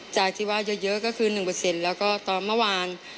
จากที่ว่าเยอะก็คือ๑แล้วก็ตอนเมื่อวาน